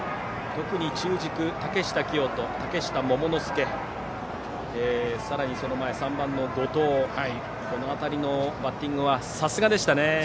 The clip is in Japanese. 特に中軸の竹下聖人と嶽下桃之介さらに、その前３番の後藤のバッティングはさすがでしたね。